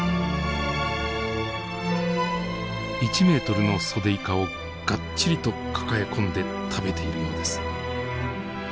１メートルのソデイカをがっちりと抱え込んで食べているようです。